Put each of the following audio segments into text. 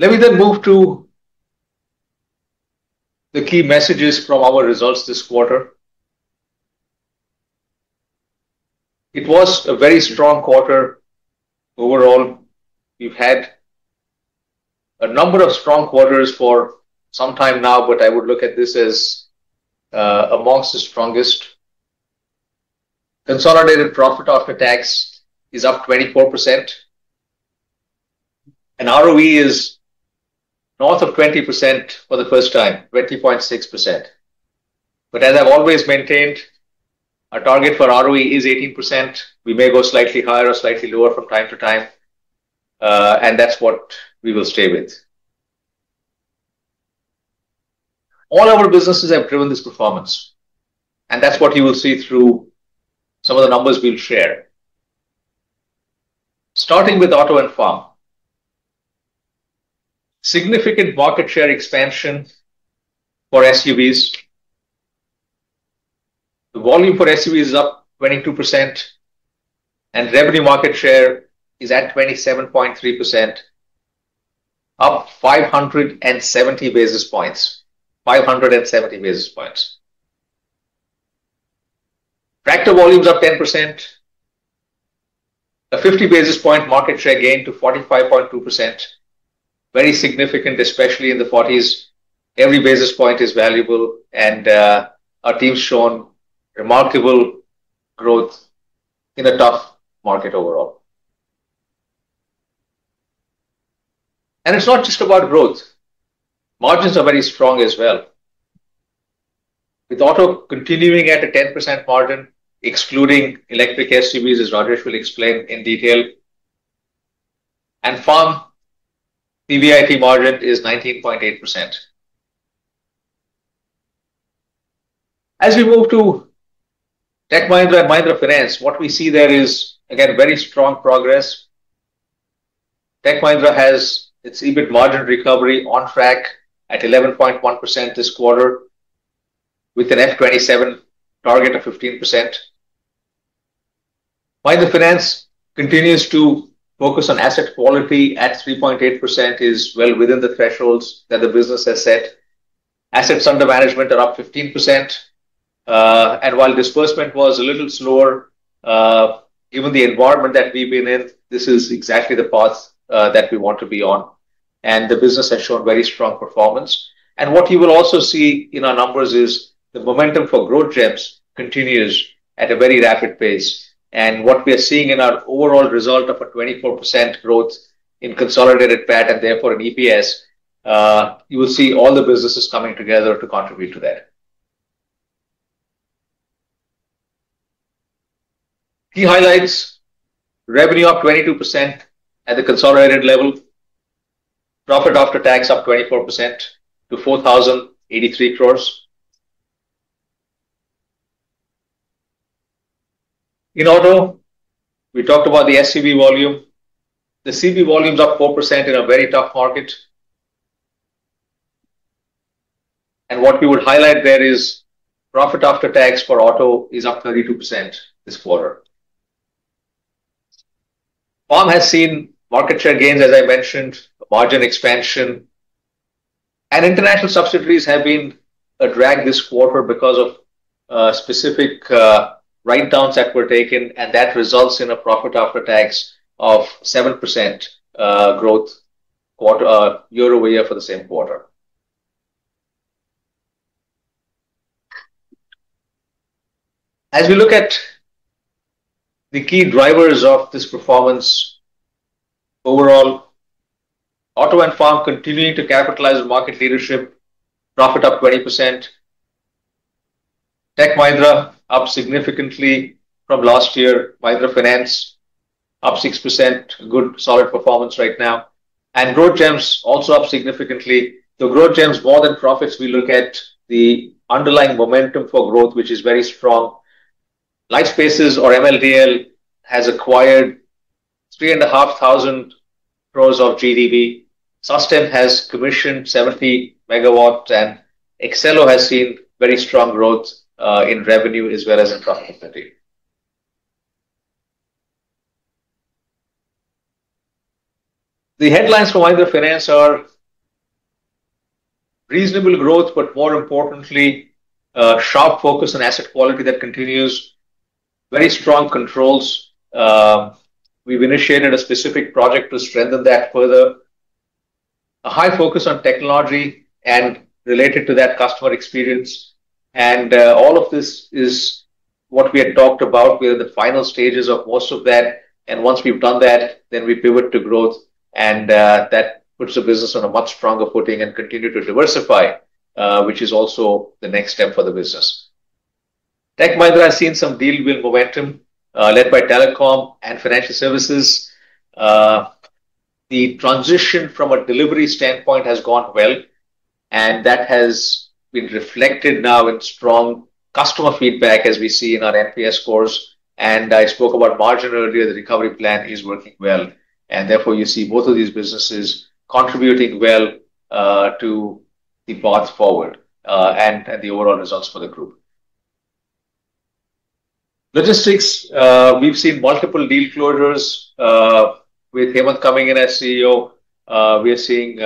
Let me move to the key messages from our results this quarter. It was a very strong quarter overall. We've had a number of strong quarters for some time now, but I would look at this as amongst the strongest. Consolidated profit after tax is up 24%, and ROE is north of 20% for the first time, 20.6%. As I've always maintained, our target for ROE is 18%. We may go slightly higher or slightly lower from time to time, and that's what we will stay with. All our businesses have driven this performance, and that's what you will see through some of the numbers we'll share. Starting with Auto and Farm. Significant market share expansion for SUVs. The volume for SUV is up 22% and revenue market share is at 27.3%, up 570 basis points. 570 basis points. Tractor volume is up 10%. A 50 basis point market share gain to 45.2%. Very significant, especially in the forties. Every basis point is valuable and our team shown remarkable growth in a tough market overall. It's not just about growth. Margins are very strong as well. With Auto continuing at a 10% margin, excluding electric SUVs, as Rajesh will explain in detail. Farm PBIT margin is 19.8%. As we move to Tech Mahindra and Mahindra Finance, what we see there is, again, very strong progress. Tech Mahindra has its EBIT margin recovery on track at 11.1% this quarter, with an FY 2027 target of 15%. Mahindra Finance continues to focus on asset quality at 3.8% is well within the thresholds that the business has set. Assets under management are up 15%. While disbursement was a little slower, given the environment that we've been in, this is exactly the path that we want to be on, and the business has shown very strong performance. What you will also see in our numbers is the momentum for Growth Gems continues at a very rapid pace. What we are seeing in our overall result of a 24% growth in consolidated PAT and therefore in EPS, you will see all the businesses coming together to contribute to that. Key highlights, revenue up 22% at the consolidated level. Profit After Tax up 24% to 4,083 crores. In Auto, we talked about the SUV volume. The SUV volume is up 4% in a very tough market. What we would highlight there is Profit After Tax for Auto is up 32% this quarter. Farm has seen market share gains, as I mentioned, margin expansion. International subsidiaries have been a drag this quarter because of specific write-downs that were taken, and that results in a Profit After Tax of 7% growth year-over-year for the same quarter. As we look at the key drivers of this performance overall, Auto and Farm continuing to capitalize on market leadership, profit up 20%. Tech Mahindra up significantly from last year. Mahindra Finance up 6%. Good solid performance right now. Growth Gems also up significantly. The Growth Gems more than profits, we look at the underlying momentum for growth, which is very strong. Lifespaces or MLDL has acquired 3,500 crores of GDV. Susten has commissioned 70 MW, and Accelo has seen very strong growth in revenue as well as in profitability. The headlines for Mahindra Finance are reasonable growth, but more importantly, sharp focus on asset quality that continues. Very strong controls. We've initiated a specific project to strengthen that further. A high focus on technology and related to that customer experience. All of this is what we had talked about. We are in the final stages of most of that. Once we've done that, then we pivot to growth, and that puts the business on a much stronger footing and continue to diversify, which is also the next step for the business. Tech Mahindra has seen some deal win momentum, led by telecom and financial services. The transition from a delivery standpoint has gone well, and that has been reflected now in strong customer feedback, as we see in our NPS scores. I spoke about margin earlier, the recovery plan is working well. Therefore, you see both of these businesses contributing well to the path forward, and the overall results for the group. Logistics, we've seen multiple deal closures with Hemant coming in as CEO. We are seeing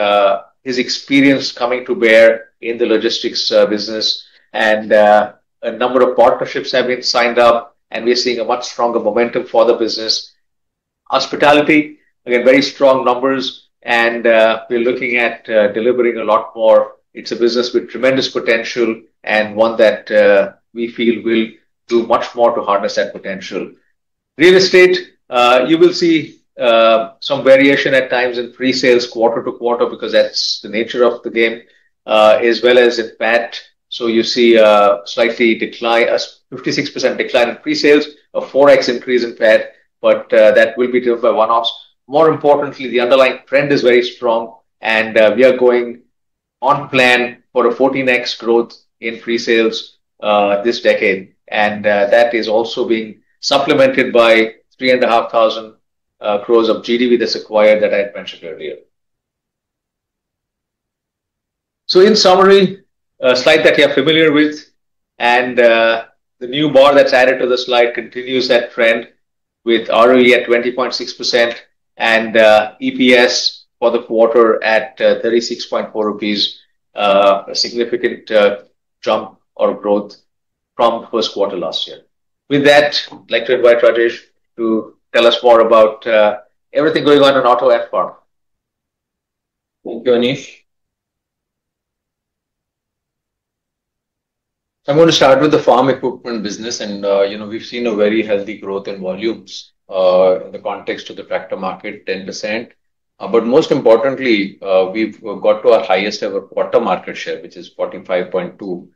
his experience coming to bear in the logistics business. A number of partnerships have been signed up, and we're seeing a much stronger momentum for the business. Hospitality, again, very strong numbers and we're looking at delivering a lot more. It's a business with tremendous potential and one that we feel will do much more to harness that potential. Real estate, you will see some variation at times in pre-sales quarter-to-quarter because that's the nature of the game, as well as in PAT. You see a slightly decline 56% decline in pre-sales, a 4x increase in PAT, but that will be due to one-offs. More importantly, the underlying trend is very strong and we are going on plan for a 14x growth in pre-sales this decade. That is also being supplemented by 3,500 crores of GDV that is acquired that I had mentioned earlier. In summary, a slide that you are familiar with and the new bar that is added to the slide continues that trend with ROE at 20.6% and EPS for the quarter at 36.4 rupees. A significant jump or growth from first quarter last year. With that, I would like to invite Rajesh to tell us more about everything going on in Auto and Farm. Thank you, Anish. I'm gonna start with the farm equipment business. you know, we've seen a very healthy growth in volumes in the context of the tractor market, 10%. but most importantly, we've got to our highest ever quarter market share, which is 45.2,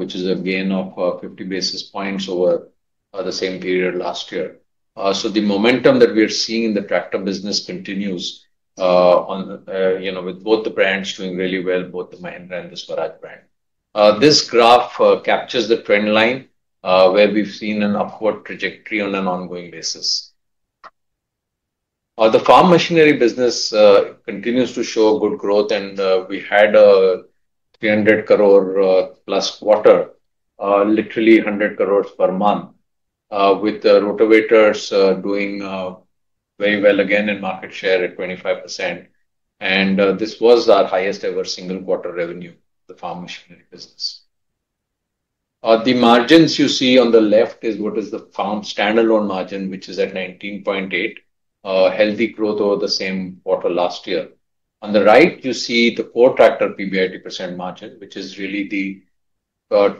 which is a gain of 50 basis points over the same period last year. the momentum that we are seeing in the tractor business continues on, you know, with both the brands doing really well, both the Mahindra and the Swaraj brand. This graph captures the trend line where we've seen an upward trajectory on an ongoing basis. the farm machinery business continues to show good growth, we had a 300 crore plus quarter. Literally 100 crore per month, with the rotavators doing very well again in market share at 25%. This was our highest ever single quarter revenue, the farm machinery business. The margins you see on the left is what is the farm standalone margin, which is at 19.8. Healthy growth over the same quarter last year. On the right, you see the core tractor PBIT % margin, which is really the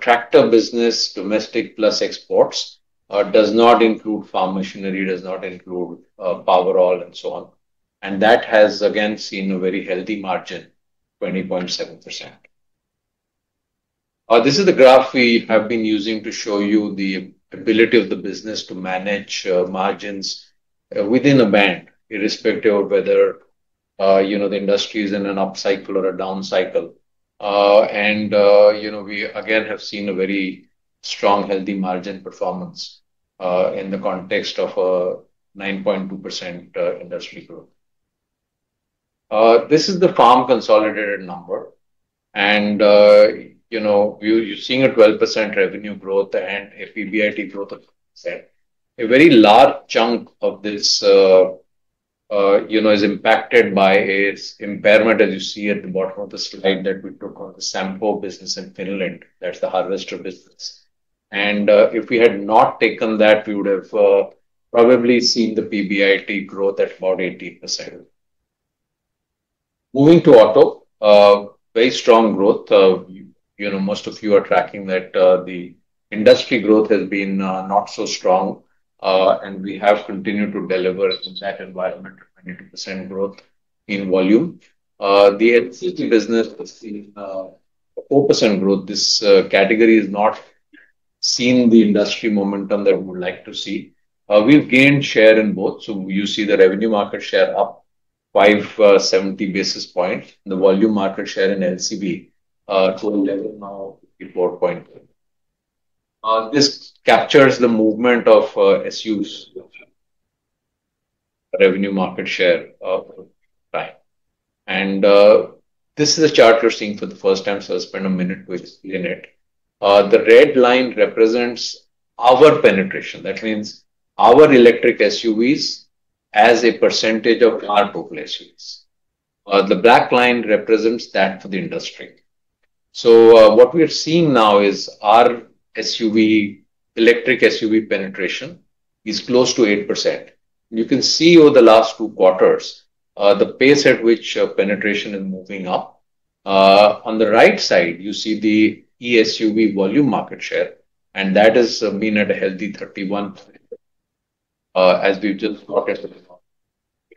tractor business domestic plus exports. Does not include farm machinery, does not include Powerol and so on. That has again seen a very healthy margin, 20.7%. This is the graph we have been using to show you the ability of the business to manage margins within a band, irrespective of whether, you know, the industry is in an up cycle or a down cycle. You know, we again have seen a very strong healthy margin performance in the context of a 9.2% industry growth. This is the farm consolidated number. You know, we're seeing a 12% revenue growth and a PBIT growth of 6%. A very large chunk of this, you know, is impacted by its impairment, as you see at the bottom of the slide, that we took on the Sampo business in Finland. That's the harvester business. If we had not taken that, we would have, probably seen the PBIT growth at about 18%. Moving to Auto. Very strong growth. You know, most of you are tracking that, the industry growth has been not so strong. We have continued to deliver in that environment, 22% growth in volume. The LCV business has seen 4% growth. This category is not seeing the industry momentum that we would like to see. We've gained share in both. You see the revenue market share up 570 basis points. The volume market share in LCV, total level now 54.3. This captures the movement of SUVs revenue market share over time. This is a chart you're seeing for the first time, so I'll spend a minute with explaining it. The red line represents our penetration. That means our electric SUVs as a percentage of our total SUV sales. The black line represents that for the industry. What we are seeing now is our SUV, electric SUV penetration is close to 8%. You can see over the last two quarters, the pace at which penetration is moving up. On the right side, you see the eSUV volume market share, and that has been at a healthy 31. As we've just talked about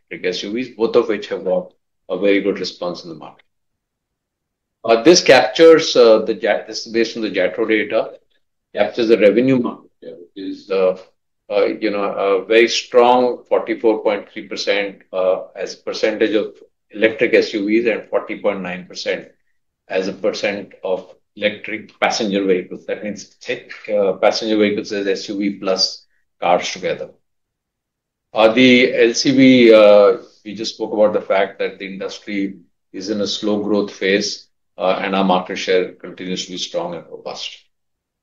electric SUVs, both of which have got a very good response in the market. This captures, the. This is based on the JATO data, captures the revenue market share, which is, you know, a very strong 44.3% as a percentage of electric SUVs and 40.9% as a % of electric passenger vehicles. That means passenger vehicles is SUV plus cars together. The LCV, we just spoke about the fact that the industry is in a slow growth phase, and our market share continues to be strong and robust.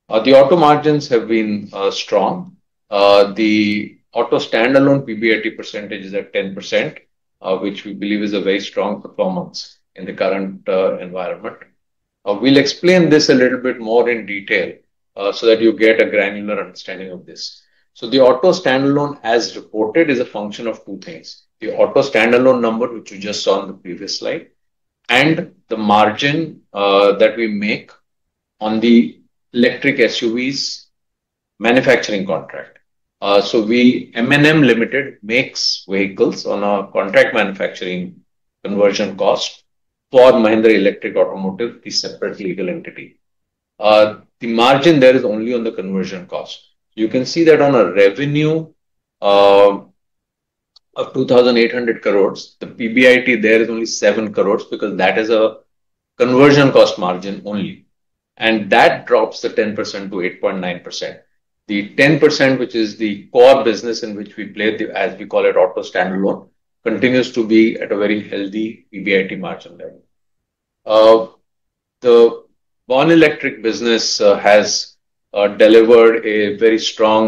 The auto margins have been strong. The auto standalone PBIT percentage is at 10%, which we believe is a very strong performance in the current environment. We'll explain this a little bit more in detail so that you get a granular understanding of this. The auto standalone, as reported, is a function of two things: the auto standalone number, which you just saw on the previous slide, and the margin that we make on the electric SUVs manufacturing contract. We, M&M Limited makes vehicles on our contract manufacturing conversion cost for Mahindra Electric Automobile Limited, the separate legal entity. The margin there is only on the conversion cost. You can see that on a revenue of 2,800 crores, the PBIT there is only 7 crores because that is a conversion cost margin only. That drops the 10% to 8.9%. The 10%, which is the core business in which we play, the, as we call it, auto standalone, continues to be at a very healthy PBIT margin level. The Born Electric business has delivered a very strong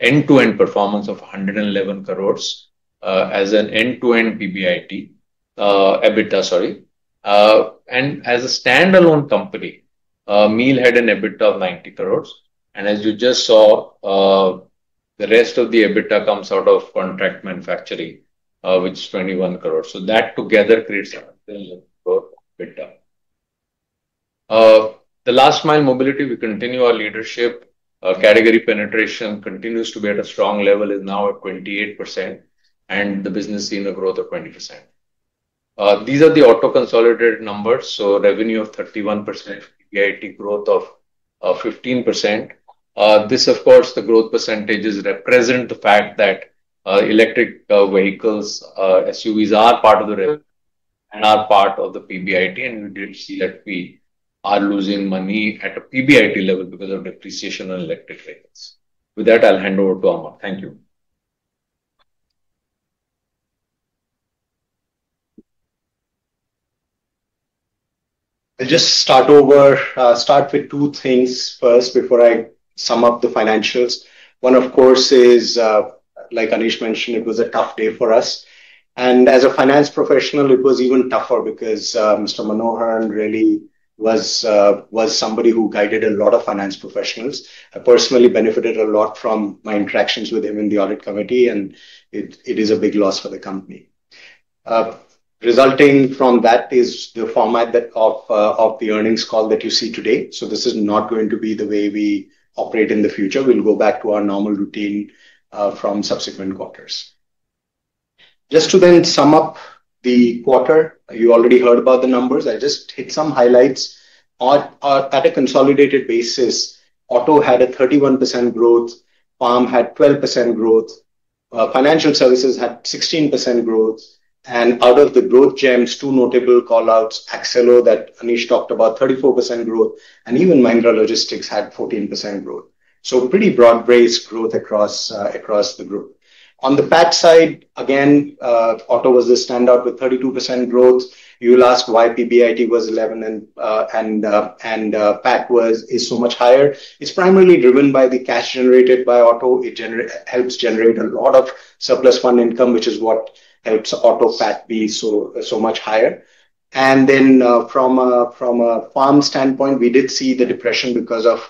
end-to-end performance of 111 crores as an end-to-end PBIT. EBITDA, sorry. And as a standalone company, MEAL had an EBITDA of 90 crores. As you just saw, the rest of the EBITDA comes out of contract manufacturing, which is 21 crores. That together creates 1 billion crore EBITDA. The Last Mile Mobility, we continue our leadership. Category penetration continues to be at a strong level, is now at 28%, and the business seeing a growth of 20%. These are the auto consolidated numbers. Revenue of 31%, PBIT growth of 15%. This of course, the growth percentages represent the fact that electric vehicles, SUVs are part of the rev and are part of the PBIT. You did see that we are losing money at a PBIT level because of depreciation on electric vehicles. With that, I'll hand over to Amarjyoti Barua. Thank you. I'll just start over. Start with two things first before I sum up the financials. One, of course, is, like Anish mentioned, it was a tough day for us. As a finance professional, it was even tougher because Mr. [Manohar] really was somebody who guided a lot of finance professionals. I personally benefited a lot from my interactions with him in the audit committee, and it is a big loss for the company. Resulting from that is the format that, of the earnings call that you see today. This is not going to be the way we operate in the future. We'll go back to our normal routine from subsequent quarters. Just to then sum up the quarter, you already heard about the numbers. I just hit some highlights. On, at a consolidated basis, auto had a 31% growth, farm had 12% growth, financial services had 16% growth. Out of the Growth Gems, two notable call-outs, Mahindra Accelo, that Anish talked about, 34% growth, even Mahindra Logistics had 14% growth. Pretty broad-based growth across the group. On the PAT side, again, auto was the standout with 32% growth. You will ask why PBIT was 11 and PAT was so much higher. It is primarily driven by the cash generated by auto. It helps generate a lot of surplus fund income, which is what helps auto PAT be so much higher. From a farm standpoint, we did see the depression because of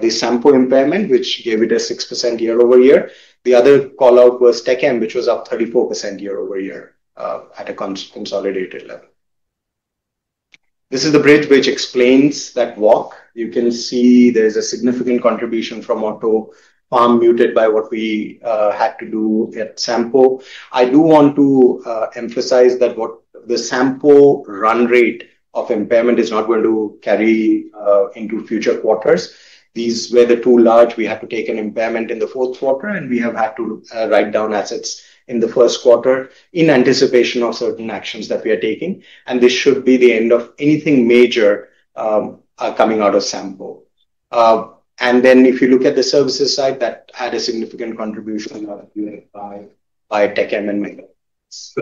the Sampo impairment, which gave it a 6% year-over-year. The other call-out was Tech M, which was up 34% year-over-year at a consolidated level. This is the bridge which explains that walk. You can see there's a significant contribution from auto, farm muted by what we had to do at Sampo. I do want to emphasize that what the Sampo run rate of impairment is not going to carry into future quarters. These were the two large. We had to take an impairment in the fourth quarter, and we have had to write down assets in the first quarter in anticipation of certain actions that we are taking. This should be the end of anything major coming out of Sampo. If you look at the services side, that had a significant contribution by Tech M and Mahindra.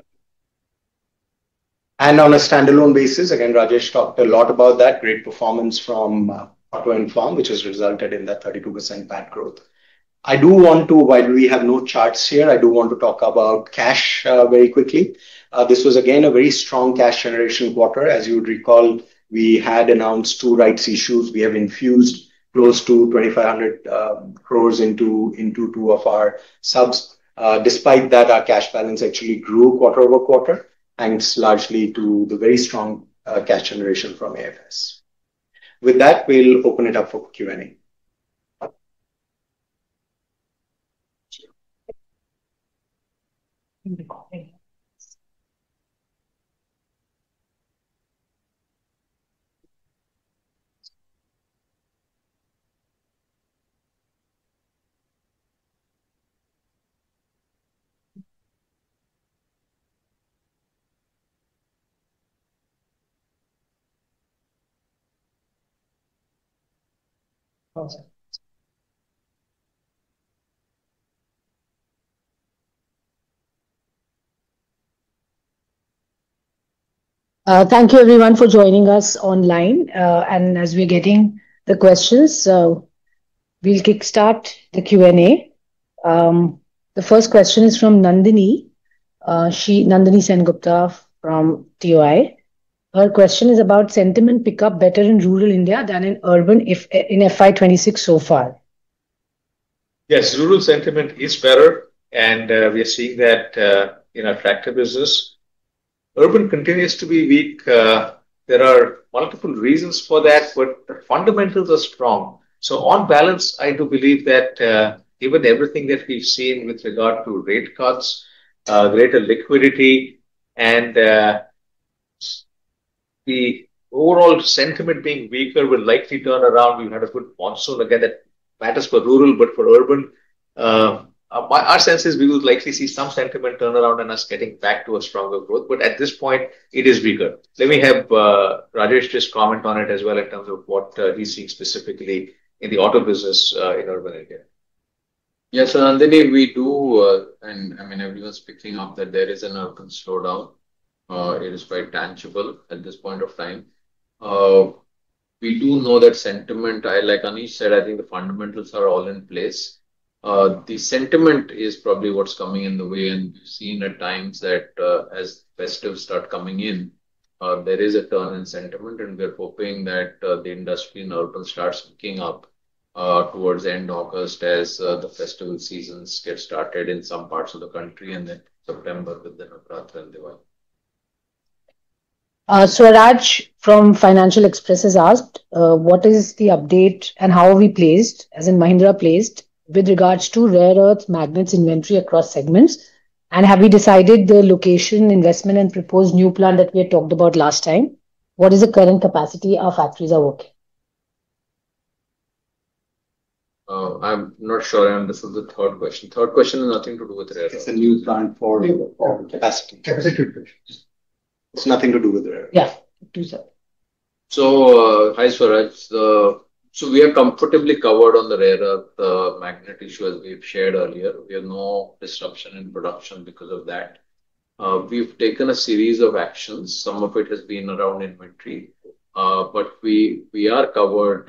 On a standalone basis, again, Rajesh talked a lot about that. Great performance from Auto and Farm, which has resulted in that 32% PAT growth. I do want to, while we have no charts here, I do want to talk about cash very quickly. This was again a very strong cash generation quarter. As you would recall, we had announced two rights issues. We have infused close to 2,500 crore into two of our subs. Despite that, our cash balance actually grew quarter-over-quarter, thanks largely to the very strong cash generation from AFS. With that, we'll open it up for Q&A. Sure. Awesome. Thank you everyone for joining us online. As we're getting the questions, we'll kickstart the Q&A. The first question is from Nandini Sengupta from TOI. Her question is about sentiment pickup better in rural India than in urban if in FY 2026 so far. Yes, rural sentiment is better, and we are seeing that in our tractor business. Urban continues to be weak. There are multiple reasons for that, but the fundamentals are strong. On balance, I do believe that, given everything that we've seen with regard to rate cuts, greater liquidity and the overall sentiment being weaker will likely turn around. We've had a good monsoon. Again, that matters for rural, but for urban, our sense is we will likely see some sentiment turn around and us getting back to a stronger growth. At this point, it is weaker. Let me have Rajesh just comment on it as well in terms of what he's seeing specifically in the auto business in urban area. Yes. Nandini, we do, I mean, everyone's picking up that there is an urban slowdown. It is quite tangible at this point of time. We do know that sentiment, like Anish said, I think the fundamentals are all in place. The sentiment is probably what's coming in the way, and we've seen at times that, as festives start coming in, there is a turn in sentiment, and we're hoping that the industry in urban starts picking up towards the end of August as the festival seasons get started in some parts of the country and then September with the Navaratri and Diwali. Swaraj from Financial Express has asked, "What is the update and how are we placed, as in Mahindra placed, with regards to rare earth magnets inventory across segments? Have you decided the location, investment, and proposed new plant that we had talked about last time? What is the current capacity our factories are working? I'm not sure. This is the third question. Third question has nothing to do with rare earth. It's a new plant for capacity. It's nothing to do with rare earth. Yeah. Do so. Hi, Swaraj. We are comfortably covered on the rare earth magnet issue as we've shared earlier. We have no disruption in production because of that. We've taken a series of actions. Some of it has been around inventory. We are covered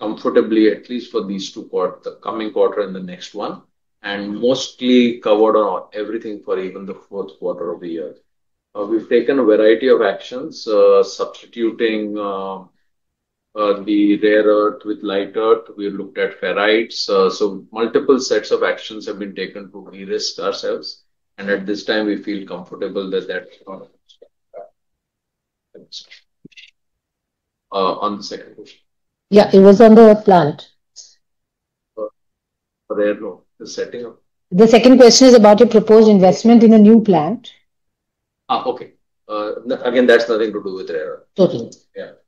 comfortably at least for the coming quarter and the next one, and mostly covered on everything for even the fourth quarter of the year. We've taken a variety of actions, substituting the rare earth with light earth. We looked at ferrites. Multiple sets of actions have been taken to de-risk ourselves. At this time we feel comfortable. On the second question. It was on the plant. For rare earth or the setting up? The second question is about your proposed investment in a new plant. Okay. Again, that's nothing to do with rare earth. Okay.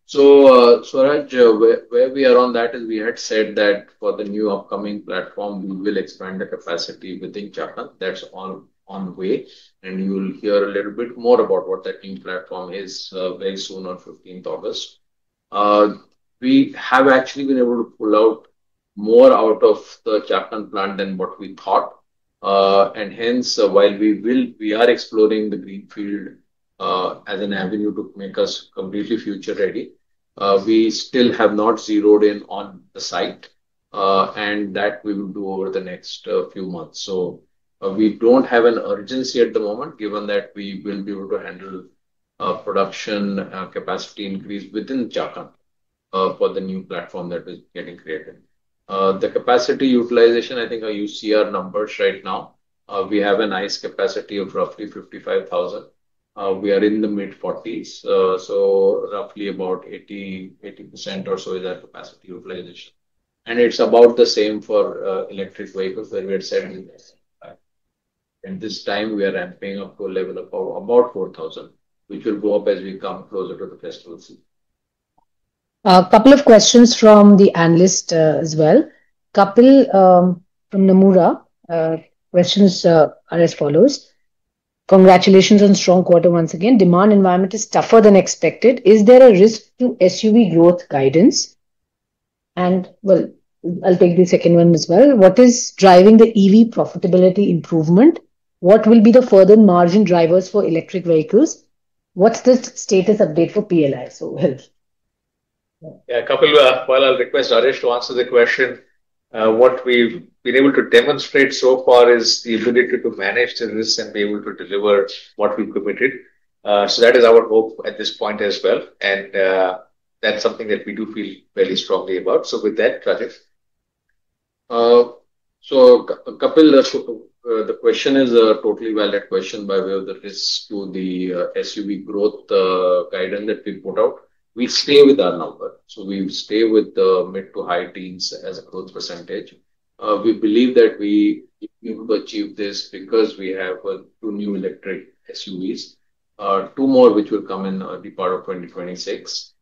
Swaraj, where we are on that is we had said that for the new upcoming platform, we will expand the capacity within Chakan. That's all on way, and you'll hear a little bit more about what that new platform is very soon on 15th August. We have actually been able to pull out more out of the Chakan plant than what we thought. Hence, while we are exploring the greenfield as an avenue to make us completely future ready, we still have not zeroed in on the site, and that we will do over the next few months. We don't have an urgency at the moment, given that we will be able to handle production capacity increase within Chakan for the new platform that is getting created. The capacity utilization, I think, you see our numbers right now. We have a nice capacity of roughly 55,000. We are in the mid-forties, so roughly about 80% or so is our capacity utilization. It's about the same for electric vehicles. At this time, we are ramping up to a level of about 4,000, which will go up as we come closer to the festival season. A couple of questions from the analyst as well. Kapil from Nomura, questions are as follows: "Congratulations on strong quarter once again. Demand environment is tougher than expected. Is there a risk to SUV growth guidance?" Well, I'll take the second one as well. "What is driving the EV profitability improvement? What will be the further margin drivers for electric vehicles? What's the status update for PLI?" Well. Yeah. Kapil, well, I'll request Rajesh to answer the question. What we've been able to demonstrate so far is the ability to manage the risk and be able to deliver what we've committed. That is our hope at this point as well. That's something that we do feel very strongly about. With that, Rajesh. Kapil, the question is a totally valid question by way of the risk to the SUV growth guidance that we put out. We stay with our number. We stay with the mid to high teens as a growth percentage. We believe that we are able to achieve this because we have two new electric SUVs, two more which will come in the part of 2026.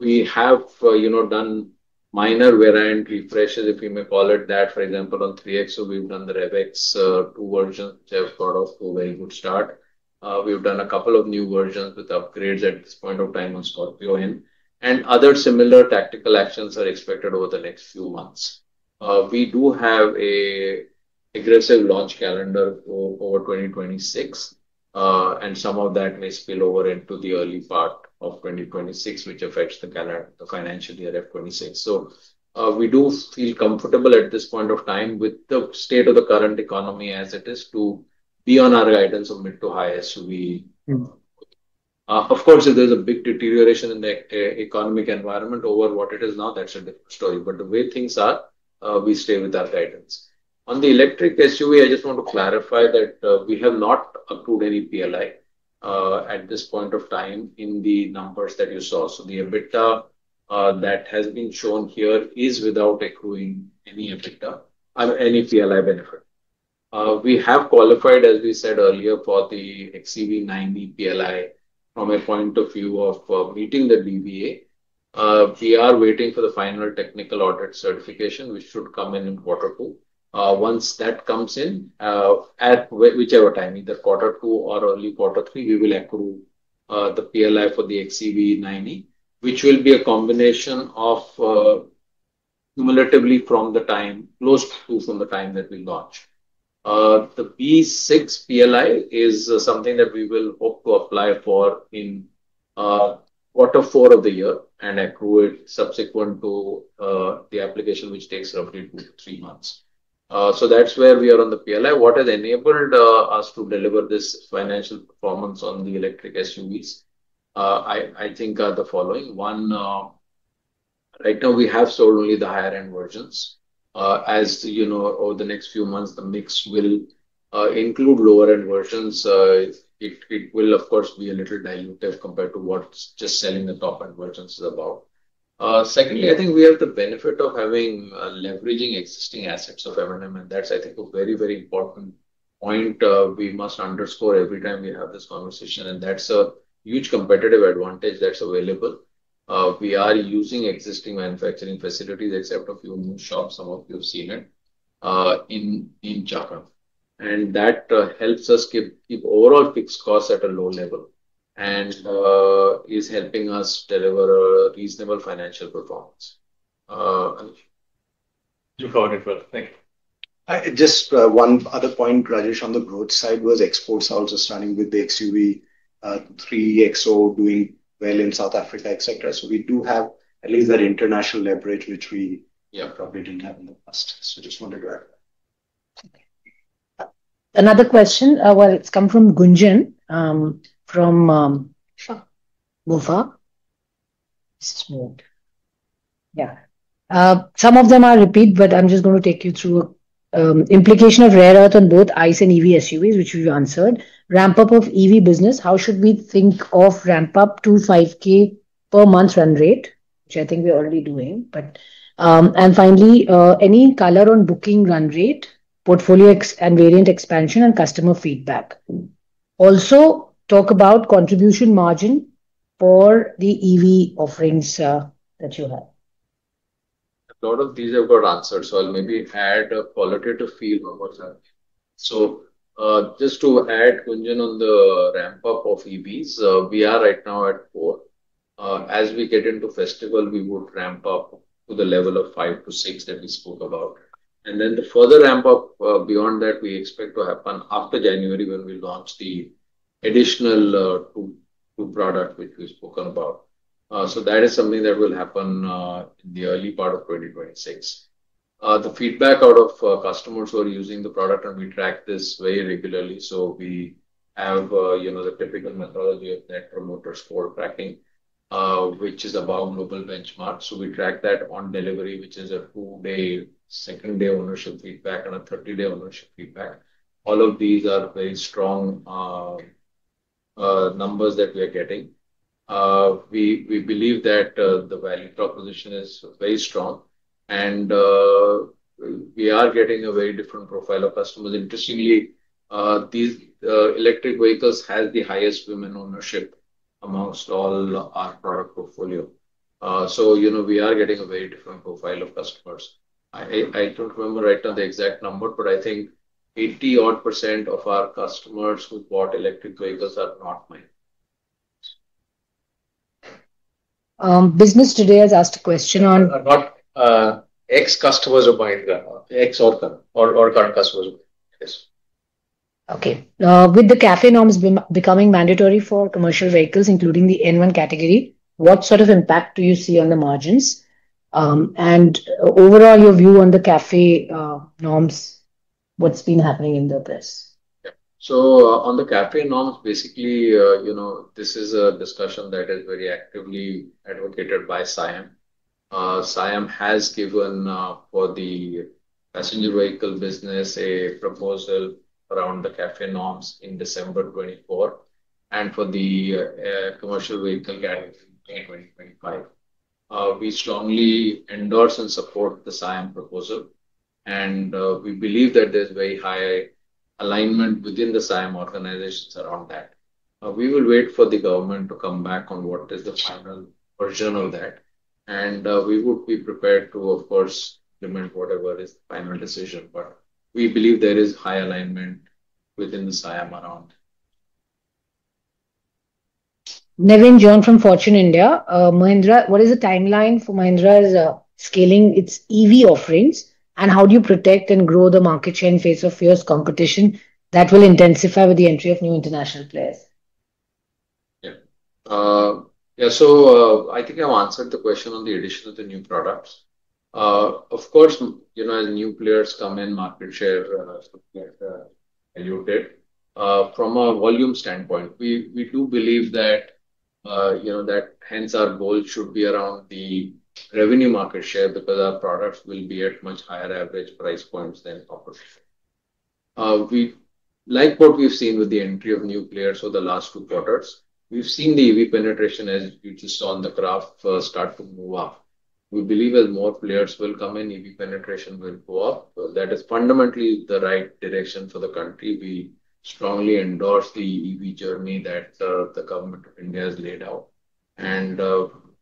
We have, you know, minor variant refreshes, if you may call it that, for example, on 3XO, we've done the RevX, two versions, which have got off to a very good start. We've done a couple of new versions with upgrades at this point of time on Scorpio-N. Other similar tactical actions are expected over the next few months. We do have a aggressive launch calendar over 2026, and some of that may spill over into the early part of 2026, which affects the calendar the financial year FY 2026. We do feel comfortable at this point of time with the state of the current economy as it is to be on our guidance of mid to high SUV. Mm-hmm. Of course, if there's a big deterioration in the economic environment over what it is now, that's a different story. The way things are, we stay with our guidance. On the electric SUV, I just want to clarify that we have not accrued any PLI at this point of time in the numbers that you saw. The EBITDA that has been shown here is without accruing any EBITDA or any PLI benefit. We have qualified, as we said earlier, for the [XEV 9e] PLI from a point of view of meeting the DVA. We are waiting for the final technical audit certification, which should come in in Q2. Once that comes in, at whichever time, either Q2 or early Q3, we will accrue the PLI for the XEV 9e, which will be a combination of cumulatively from the time close to from the time that we launch. The BE 6 PLI is something that we will hope to apply for in Q4 of the year and accrue it subsequent to the application which takes roughly two to three months. That's where we are on the PLI. What has enabled us to deliver this financial performance on the electric SUVs, I think are the following. One, right now we have sold only the higher-end versions. As you know, over the next few months the mix will include lower-end versions. It, it will of course be a little dilutive compared to what's just selling the top-end versions is about. Secondly, I think we have the benefit of having leveraging existing assets of M&M, and that's I think a very, very important point we must underscore every time we have this conversation, and that's a huge competitive advantage that's available. We are using existing manufacturing facilities except a few new shops, some of you have seen it, in Chakan. That helps us keep overall fixed costs at a low level and is helping us deliver a reasonable financial performance. You covered it well. Thank you. Just one other point, Rajesh, on the growth side was exports also starting with the XUV 3XO doing well in South Africa, et cetera. We do have at least that international leverage. Yeah. probably didn't have in the past. Just wanted to add that. Okay. Another question, well it's come from Gunjan. Sure. Motilal Oswal. Some of them are repeat, but I'm just going to take you through implication of rare earth on both ICE and EV SUVs, which you answered. Ramp up of EV business, how should we think of ramp up to 5K per month run rate? Which I think we are already doing, but. Finally, any color on booking run rate, portfolio and variant expansion and customer feedback. Also talk about contribution margin for the EV offerings that you have. A lot of these I've got answered, I'll maybe add a qualitative feel over that. Just to add, Gunjan, on the ramp up of EVs, we are right now at four. As we get into festival, we would ramp up to the level of 5-6 that we spoke about. The further ramp up beyond that we expect to happen after January when we launch the additional two product which we've spoken about. That is something that will happen in the early part of 2026. The feedback out of customers who are using the product, and we track this very regularly, we have, you know, the typical methodology of Net Promoter Score tracking, which is above global benchmark. We track that on delivery, which is a two day, 2nd-day ownership feedback and a 30-day ownership feedback. All of these are very strong numbers that we are getting. We believe that the value proposition is very strong and we are getting a very different profile of customers. Interestingly, these electric vehicles has the highest women ownership amongst all our product portfolio. You know, we are getting a very different profile of customers. I don't remember right now the exact number, but I think 80% odd of our customers who bought electric vehicles are not male. Business Today has asked a question. Are not, ex-customers of Mahindra or ex or current customers of Mahindra. Yes. Okay. With the CAFE norms becoming mandatory for commercial vehicles, including the N1 category, what sort of impact do you see on the margins? Overall your view on the CAFE norms, what's been happening in the press? On the CAFE norms, basically, you know, this is a discussion that is very actively advocated by SIAM. SIAM has given for the passenger vehicle business a proposal around the CAFE norms in December 2024, and for the commercial vehicle category in 2025. We strongly endorse and support the SIAM proposal. We believe that there's very high alignment within the SIAM organizations around that. We will wait for the government to come back on what is the final version of that. We would be prepared to, of course, implement whatever is the final decision. We believe there is high alignment within the SIAM around. Nevin John from Fortune India. Mahindra, what is the timeline for Mahindra's scaling its EV offerings, and how do you protect and grow the market share in face of fierce competition that will intensify with the entry of new international players? I think I've answered the question on the addition of the new products. Of course, you know, as new players come in, market share, something like diluted. From a volume standpoint, we do believe that, you know, that hence our goal should be around the revenue market share because our products will be at much higher average price points than competition. Like what we've seen with the entry of new players over the last two quarters, we've seen the EV penetration, as you just saw on the graph, start to move up. We believe as more players will come in, EV penetration will go up. That is fundamentally the right direction for the country. We strongly endorse the EV journey that the Government of India has laid out.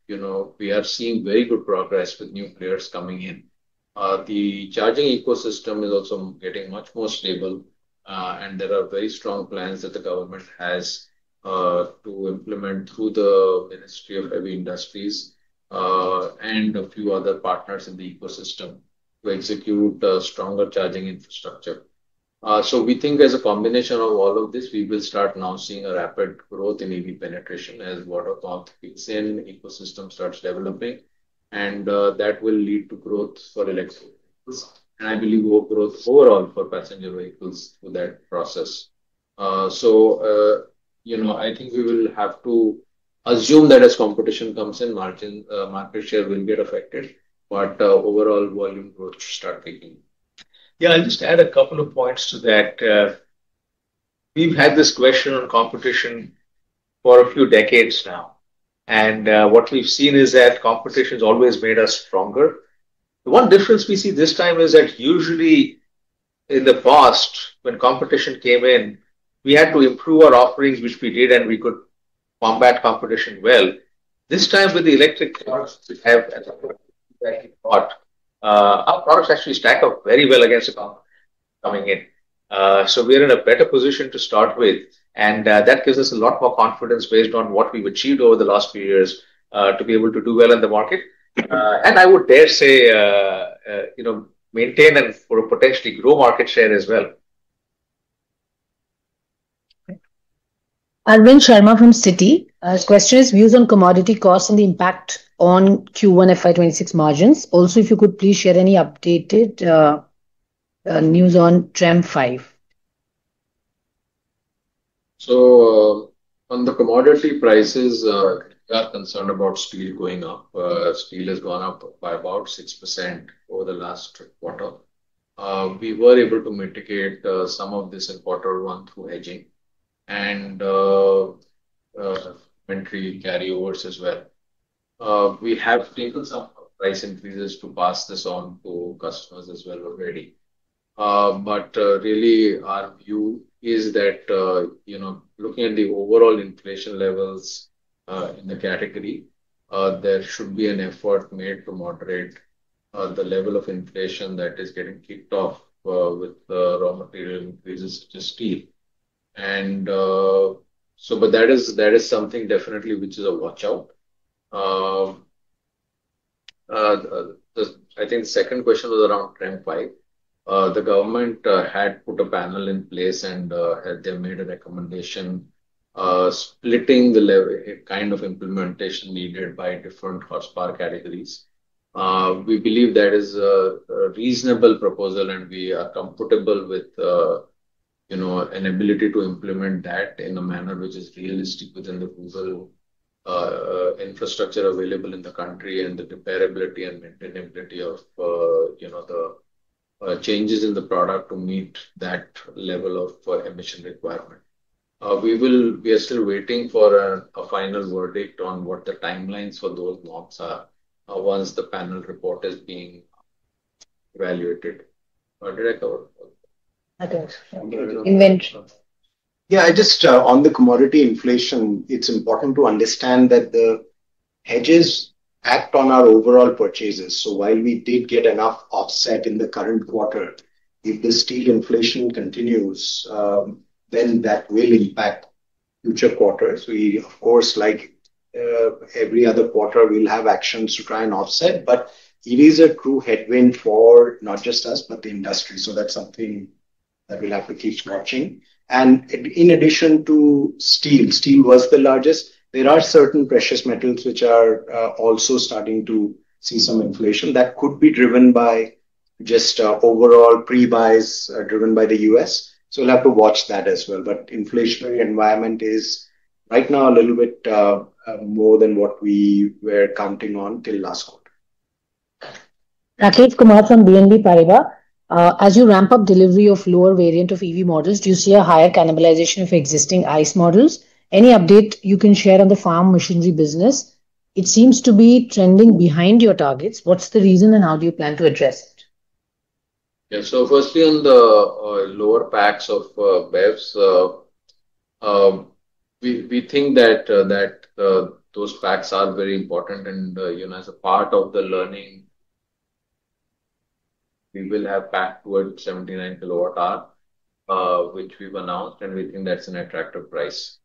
You know, we have seen very good progress with new players coming in. The charging ecosystem is also getting much more stable, and there are very strong plans that the government has to implement through the Ministry of Heavy Industries and a few other partners in the ecosystem to execute a stronger charging infrastructure. We think as a combination of all of this, we will start now seeing a rapid growth in EV penetration as more of the ecosystem starts developing, and that will lead to growth for electric vehicles. I believe more growth overall for passenger vehicles through that process. You know, I think we will have to assume that as competition comes in, margin, market share will get affected, but overall volume growth should start picking. Yeah, I'll just add a couple of points to that. We've had this question on competition for a few decades now. What we've seen is that competition's always made us stronger. The one difference we see this time is that usually in the past when competition came in, we had to improve our offerings, which we did, and we could combat competition well. This time with the electric products which have Mm-hmm. As I've already thought, our products actually stack up very well against the competition coming in. We're in a better position to start with, and that gives us a lot more confidence based on what we've achieved over the last few years, to be able to do well in the market. I would dare say, you know, maintain and potentially grow market share as well. Arvind Sharma from Citi. His question is views on commodity costs and the impact on Q1 FY 2026 margins. If you could please share any updated news on TREM V. On the commodity prices, we are concerned about steel going up. Steel has gone up by about 6% over the last quarter. We were able to mitigate some of this in quarter 1 through hedging and inventory carryovers as well. We have taken some price increases to pass this on to customers as well already. But really our view is that, you know, looking at the overall inflation levels in the category, there should be an effort made to moderate the level of inflation that is getting kicked off with raw material increases such as steel. But that is something definitely which is a watch-out. I think the second question was around TREM V. The government had put a panel in place and had then made a recommendation, splitting the kind of implementation needed by different horsepower categories. We believe that is a reasonable proposal, and we are comfortable with, you know, an ability to implement that in a manner which is realistic within the overall infrastructure available in the country and the comparability and maintainability of, you know, the changes in the product to meet that level of emission requirement. We are still waiting for a final verdict on what the timelines for those norms are, once the panel report is being evaluated. Did I cover all that? I think so. Okay. And then- Just on the commodity inflation, it's important to understand that the hedges act on our overall purchases. While we did get enough offset in the current quarter, if the steel inflation continues, then that will impact future quarters. We, of course, like every other quarter, we'll have actions to try and offset, but it is a true headwind for not just us, but the industry. That's something that we'll have to keep watching. In addition to steel was the largest. There are certain precious metals which are also starting to see some inflation that could be driven by just overall pre-buys driven by the U.S. We'll have to watch that as well. Inflationary environment is right now a little bit more than what we were counting on till last quarter. [Rakshith Kumar] from BNP Paribas. As you ramp up delivery of lower variant of EV models, do you see a higher cannibalization of existing ICE models? Any update you can share on the farm machinery business? It seems to be trending behind your targets. What's the reason, and how do you plan to address it? Yeah. Firstly, on the lower packs of BEVs, we think that those packs are very important and, you know, as a part of the learning. We will have pack towards 79 KWh, which we've announced, and we think that's an attractive price.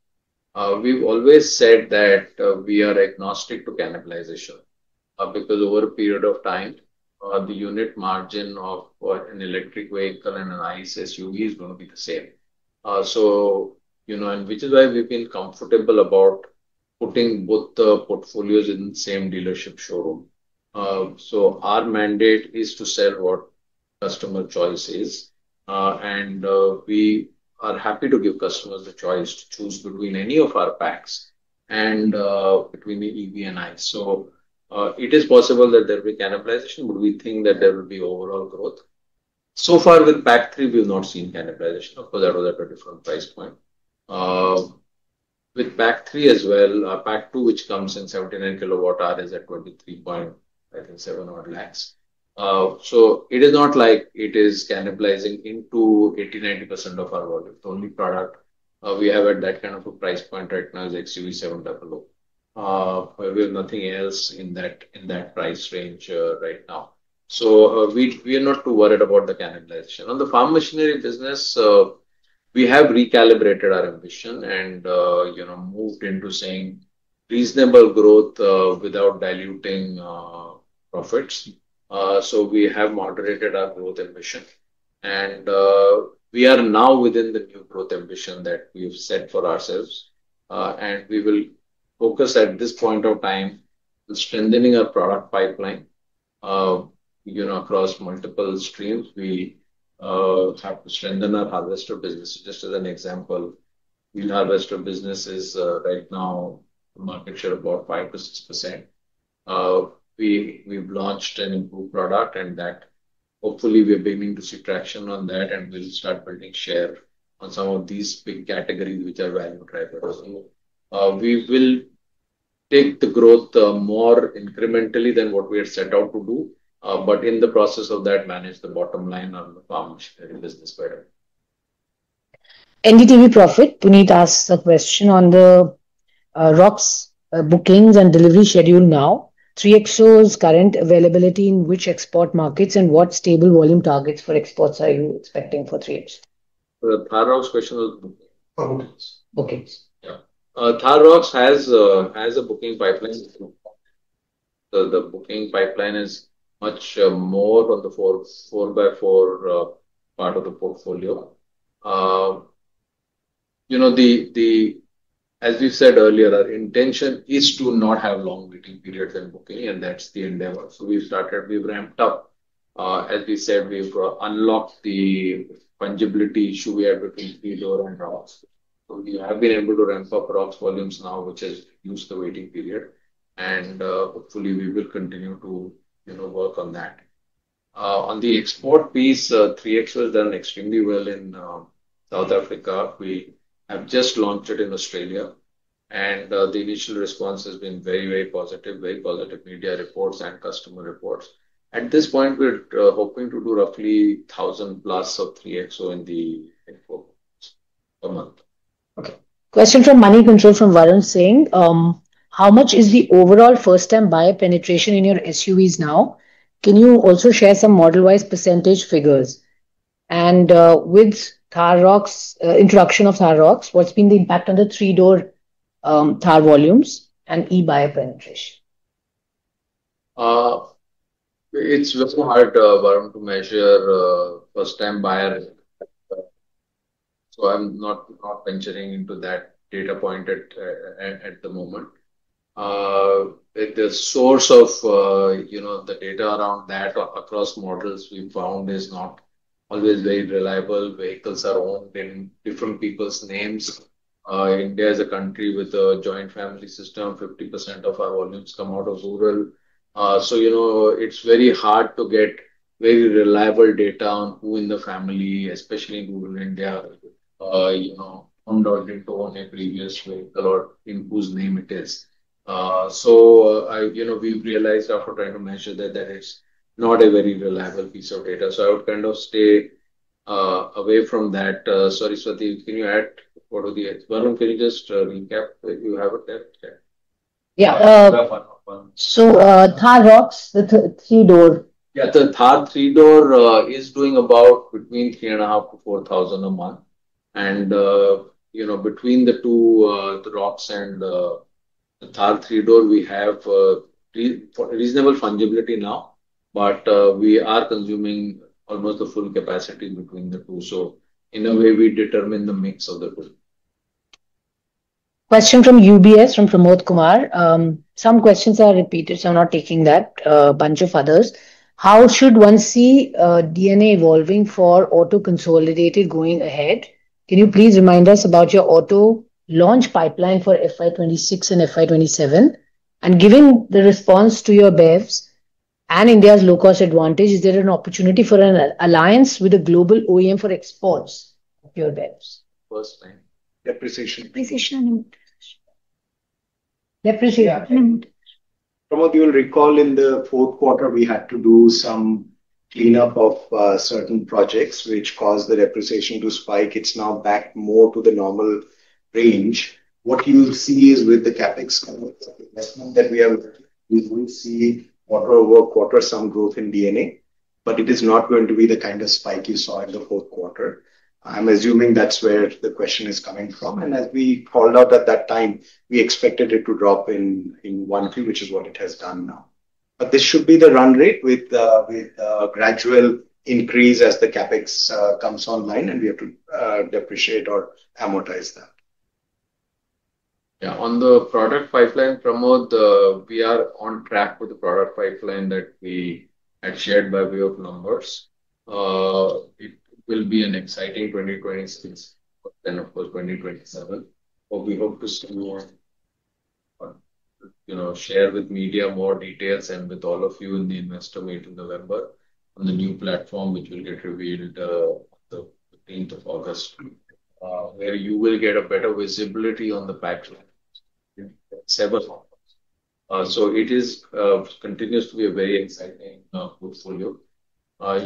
We've always said that we are agnostic to cannibalization because over a period of time, the unit margin of an electric vehicle and an ICE SUV is gonna be the same. You know, which is why we've been comfortable about putting both the portfolios in the same dealership showroom. Our mandate is to sell what customer choice is, we are happy to give customers the choice to choose between any of our packs and between the EV and ICE. It is possible that there will be cannibalization, but we think that there will be overall growth. So far with pack three, we've not seen cannibalization. Of course, that was at a different price point. With pack three as well, pack two, which comes in 79 KWh, is at 23.7 odd lakhs. It is not like it is cannibalizing into 80%, 90% of our volume. The only product we have at that kind of a price point right now is XUV700. We have nothing else in that, in that price range right now. We are not too worried about the cannibalization. On the farm machinery business, we have recalibrated our ambition and, you know, moved into saying reasonable growth without diluting profits. We have moderated our growth ambition. We are now within the new growth ambition that we've set for ourselves, and we will focus at this point of time on strengthening our product pipeline, you know, across multiple streams. We have to strengthen our harvester business. Just as an example, the harvester business is right now a market share of about 5%-6%. We've launched an improved product, and that hopefully we're beginning to see traction on that, and we'll start building share on some of these big categories which are value drivers. We will take the growth more incrementally than what we had set out to do, but in the process of that, manage the bottom line on the farm machinery business better. NDTV Profit, Puneet asks a question on the ROXX bookings and delivery schedule now. 3XO's current availability in which export markets and what stable volume targets for exports are you expecting for 3X? The Thar ROXX question was bookings? Bookings. Yeah. Thar ROXX has a booking pipeline. The booking pipeline is much more on the four by four part of the portfolio. You know, as we said earlier, our intention is to not have long waiting periods and booking, that's the endeavor. We've started, we've ramped up. As we said, we've unlocked the fungibility issue we had between three-door and ROXX. We have been able to ramp up ROXX volumes now, which has reduced the waiting period, hopefully we will continue to, you know, work on that. On the export piece, 3XO has done extremely well in South Africa. We have just launched it in Australia, the initial response has been very positive, very positive media reports and customer reports. At this point, we're hoping to do roughly 1,000 plus of 3XO in the per month. Okay. Question from Moneycontrol from Varun, saying: How much is the overall first-time buyer penetration in your SUVs now? Can you also share some model-wise % figures? With Thar ROXX introduction of Thar ROXX, what's been the impact on the 3-door Thar volumes and E buyer penetration? It's very hard, Varun, to measure first-time buyer. I'm not venturing into that data point at the moment. The source of, you know, the data around that across models we found is not always very reliable. Vehicles are owned in different people's names. India is a country with a joint family system. 50% of our volumes come out of rural. You know, it's very hard to get very reliable data on who in the family, especially in rural India, you know, owned or didn't own a previous vehicle or in whose name it is. I, you know, we've realized after trying to measure that it's not a very reliable piece of data. I would kind of stay away from that. Sorry, Swati, Varun, can you just recap if you have it there? Yeah. Yeah. You have one. Thar ROXX, the three-door. Yeah, the Thar three-door, is doing about between 3,500 to 4,000 a month. You know, between the two, the ROXX and the Thar three-door, we have reasonable fungibility now, but we are consuming almost the full capacity between the two. In a way, we determine the mix of the two. Question from UBS, from Pramod Kumar. Some questions are repeated, so I'm not taking that bunch of others. How should one see D&A evolving for Auto Consolidated going ahead? Can you please remind us about your auto launch pipeline for FY 2026 and FY 2027? Given the response to your BEVs and India's low cost advantage, is there an opportunity for an alliance with a global OEM for exports of your BEVs? First one, depreciation. Depreciation. Yeah. And- Pramod, you'll recall in the fourth quarter we had to do some cleanup of certain projects which caused the depreciation to spike. It's now back more to the normal range. What you'll see is with the CapEx coming online, we will see quarter-over-quarter some growth in D&A, but it is not going to be the kind of spike you saw in the fourth quarter. I'm assuming that's where the question is coming from. As we called out at that time, we expected it to drop in 1Q, which is what it has done now. This should be the run rate with gradual increase as the CapEx comes online and we have to depreciate or amortize that. Yeah. On the product pipeline, Pramod, we are on track with the product pipeline that we had shared by way of numbers. It will be an exciting 2026, and of course 2027, but we hope to see more, you know, share with media more details and with all of you in the investor meet in November on the new platform, which will get revealed the 15th of August, where you will get a better visibility on the pipeline in several forms. It continues to be a very exciting portfolio.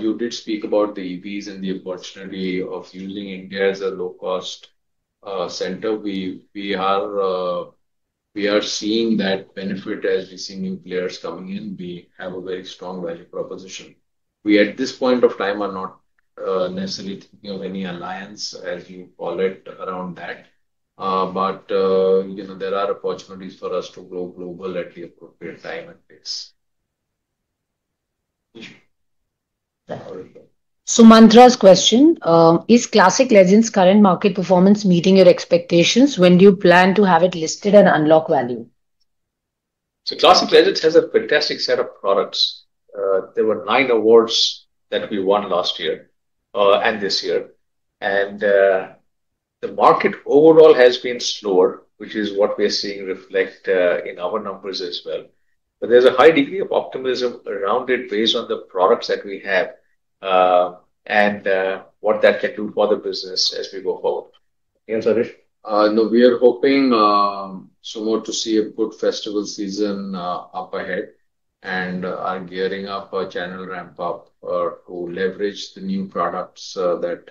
You did speak about the EVs and the opportunity of using India as a low cost center. We are seeing that benefit as we see new players coming in. We have a very strong value proposition. We, at this point of time, are not, necessarily thinking of any alliance, as you call it, around that. You know, there are opportunities for us to grow global at the appropriate time and pace. Sumant's question, Is Classic Legends current market performance meeting your expectations? When do you plan to have it listed and unlock value? Classic Legends has a fantastic set of products. There were nine awards that we won last year and this year. The market overall has been slower, which is what we are seeing reflect in our numbers as well. There's a high degree of optimism around it based on the products that we have and what that can do for the business as we go forward. Yeah, [Rajesh]? No, we are hoping, Sumant, to see a good festival season up ahead and are gearing up a channel ramp up to leverage the new products that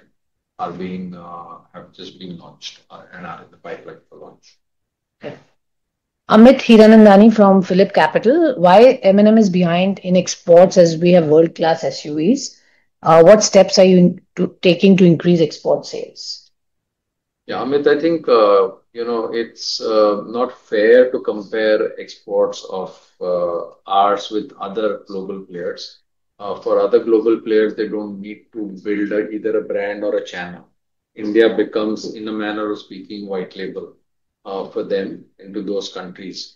have just been launched and are in the pipeline for launch. Okay. Amit Hiranandani from PhillipCapital: Why M&M is behind in exports as we have world-class SUVs? What steps are you taking to increase export sales? Amit, I think, you know, it's not fair to compare exports of ours with other global players. For other global players, they don't need to build either a brand or a channel. India becomes, in a manner of speaking, white label for them into those countries.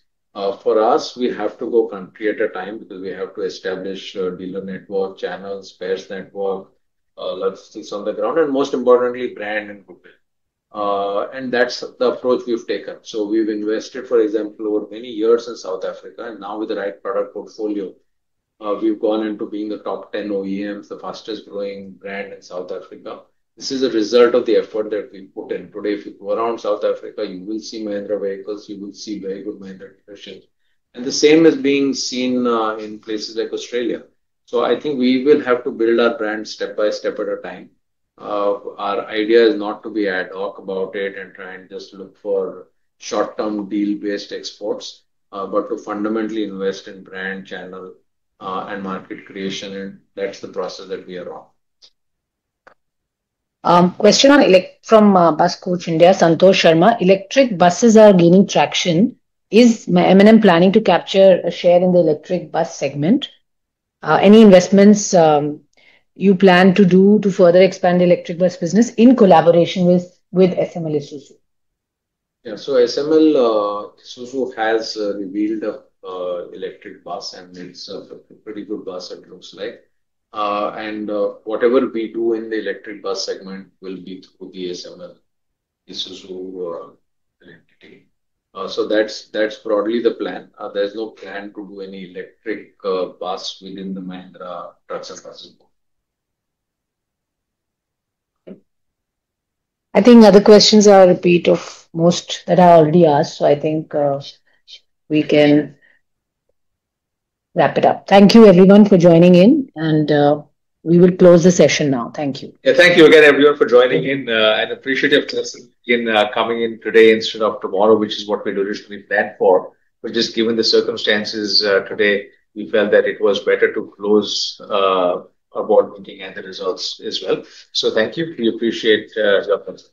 For us, we have to go country at a time because we have to establish a dealer network, channels, spares network, logistics on the ground, and most importantly, brand and goodwill. That's the approach we've taken. We've invested, for example, over many years in South Africa, and now with the right product portfolio, we've gone into being the top 10 OEMs, the fastest growing brand in South Africa. This is a result of the effort that we put in. Today, if you go around South Africa, you will see Mahindra vehicles, you will see very good Mahindra dealerships. The same is being seen in places like Australia. I think we will have to build our brand step by step at a time. Our idea is not to be ad hoc about it and try and just look for short-term deal-based exports, but to fundamentally invest in brand, channel, and market creation, and that's the process that we are on. Question from Bus Coach India, Santosh Sharma. Electric buses are gaining traction. Is M&M planning to capture a share in the electric bus segment? Any investments you plan to do to further expand the electric bus business in collaboration with SML Isuzu? Yeah. SML Isuzu has revealed a electric bus and it's a pretty good bus, it looks like. Whatever we do in the electric bus segment will be through the SML Isuzu entity. That's, that's broadly the plan. There's no plan to do any electric bus within the Mahindra Truck and Bus support. I think other questions are repeat of most that are already asked. I think we can wrap it up. Thank you everyone for joining in. We will close the session now. Thank you. Yeah. Thank you again everyone for joining in, and appreciative to us in coming in today instead of tomorrow, which is what we traditionally plan for. Just given the circumstances, today, we felt that it was better to close our board meeting and the results as well. Thank you. We appreciate your time.